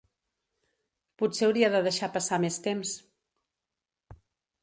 Potser hauria de deixar passar més temps.